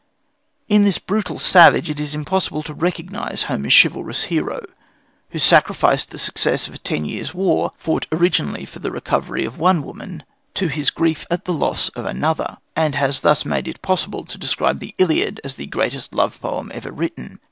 In this brutal savage it is impossible to recognize Homer's chivalrous hero, who sacrificed the success of a ten years' war, fought originally for the recovery of one woman, to his grief at the loss of another, and has thus made it possible to describe the Iliad as the greatest love poem ever written.